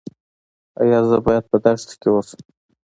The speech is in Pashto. ایا زه باید په دښته کې اوسم؟